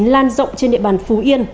lan rộng trên địa bàn phú yên